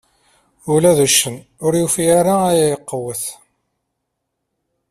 Ula d uccen ur yufi ayen ara iqewwet.